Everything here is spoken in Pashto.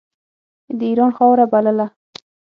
د اېران خاوره بلله.